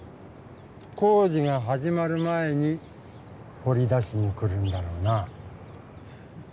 工事が始まる前にほり出しに来るんだろうな。